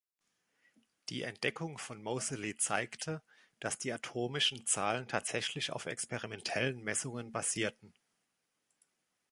Die Entdeckung von Moseley zeigte, dass die atomischen Zahlen tatsächlich auf experimentellen Messungen basierten.